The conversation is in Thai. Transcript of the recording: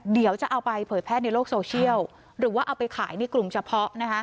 เดี๋ยวจะเอาไปเผยแพร่ในโลกโซเชียลหรือว่าเอาไปขายในกลุ่มเฉพาะนะคะ